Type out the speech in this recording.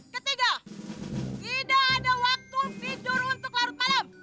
ketiga tidak ada waktu tidur untuk larut malam